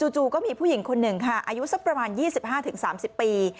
จู่ก็มีผู้หญิงคนหนึ่งค่ะอายุสักประมาณ๒๕๓๐ปี